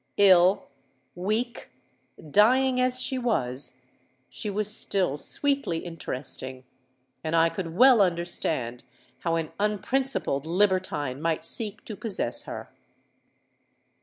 Ill—weak—dying as she was, she was still sweetly interesting;—and I could well understand how an unprincipled libertine might seek to possess her.